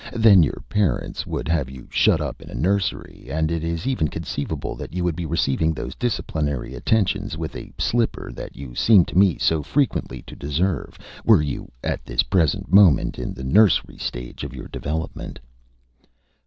"Then your parents would have you shut up in a nursery, and it is even conceivable that you would be receiving those disciplinary attentions with a slipper that you seem to me so frequently to deserve, were you at this present moment in the nursery stage of your development."